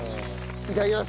いただきます。